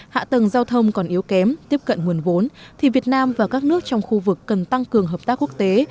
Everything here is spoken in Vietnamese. hạ tầng giao thông còn yếu kém tiếp cận nguồn vốn thì việt nam và các nước trong khu vực cần tăng cường hợp tác quốc tế